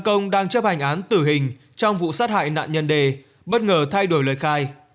chấp hành án tử hình trong vụ sát hại nạn nhân đề bất ngờ thay đổi lời khai